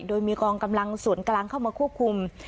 โดยมีกองกำลังส่วนกลางเข้ามาควบคุม